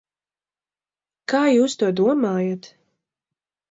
Kā jūs to domājat?